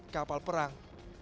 tiga puluh empat kapal perang